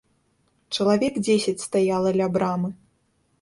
Чалавек дзесяць стаяла ля брамы.